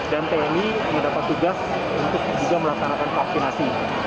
dan tni mendapat tugas untuk juga melaksanakan vaksinasi